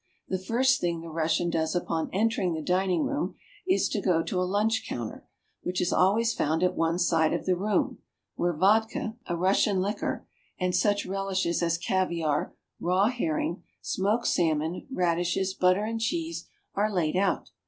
The first thing the Russian does upon entering the dining room is to go to a lunch counter, which is always found at one side of the room, where vodka, a Russian liquor, and such relishes as caviar, raw herring, smoked salmon, radishes, butter, and cheese are laid out.